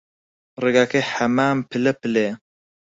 ڕێگاکەی حەمام پللە پللەیە